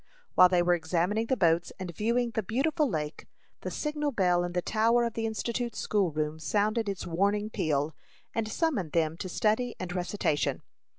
While they were examining the boats, and viewing the beautiful lake, the signal bell in the tower of the Institute school room sounded its warning peal, and summoned them to study and recitation.